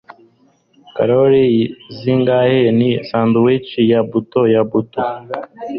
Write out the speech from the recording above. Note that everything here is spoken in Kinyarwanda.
Kalori zingahe ni sandwich ya buto ya buto?